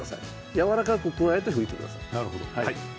やわらかくくわえて吹いてください。